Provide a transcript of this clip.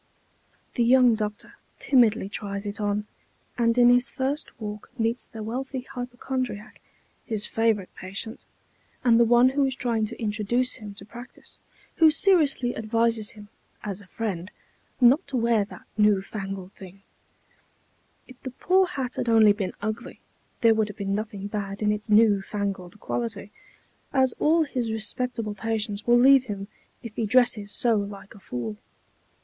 The young doctor timidly tries it on, and in his first walk meets the wealthy hypochondriac, his favorite patient, and the one who is trying to introduce him to practice, who seriously advises him, as a friend, not to wear that new fangled thing, if the poor hat had only been ugly, there would have been nothing bad in its new fangled quality, as all his respectable patients will leave him if he dresses so like a fool.